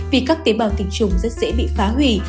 vì các tế bào tình trùng rất dễ bị phá hủy